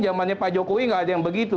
jamanya pak jokowi tidak ada yang begitu